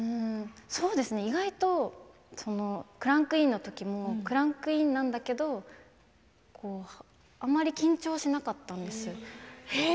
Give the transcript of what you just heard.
意外とクランクインのときもクランクインなんだけどあまり緊張しなかったんですよ。